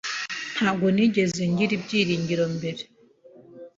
Ntabwo nigeze ngira ibyiringiro mbere.